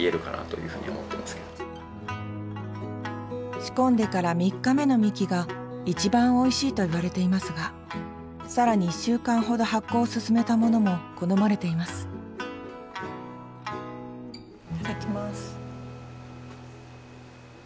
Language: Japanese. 仕込んでから３日目のみきが一番おいしいといわれていますが更に１週間ほど発酵を進めたものも好まれていますいただきます。